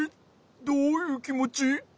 どういうきもち？